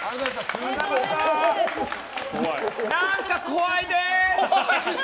何か怖いです！